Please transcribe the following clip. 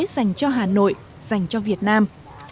dành cho hà nội dành cho việt nam